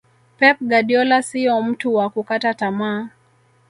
Pep Guardiola siyo mtu wa kukata tamaa